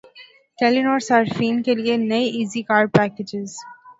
ٹیلی نار صارفین کے لیے نئے ایزی کارڈ پیکجز